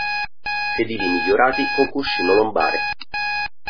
Sedili migliorati con cuscino lombare.